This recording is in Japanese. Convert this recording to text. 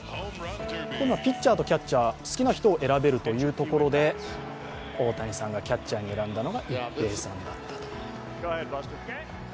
ピッチャーとキャッチャー、好きな人を選べるというところで、大谷さんがキャッチャーに選んだのは一平さんだったと。